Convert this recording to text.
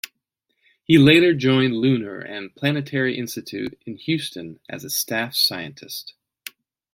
He later joined Lunar and Planetary Institute in Houston as a staff scientist.